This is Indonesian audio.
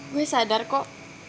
gue sadar kok